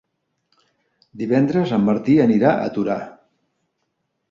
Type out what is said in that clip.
Divendres en Martí anirà a Torà.